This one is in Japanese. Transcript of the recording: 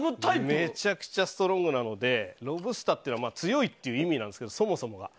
めちゃくちゃストロングなのでロブスタっていうのは強いっていう意味なんですけどそもそも。